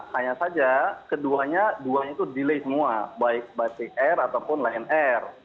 hanya saja keduanya dua itu delay semua baik batik air ataupun lion air